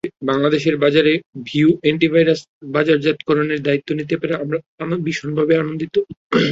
বাংলাদেশের বাজারে Reeve anti virus বাজারজাতকরণের দায়িত্ব নিতে পেরে আমরা ভীষণভাবে আনন্দিত।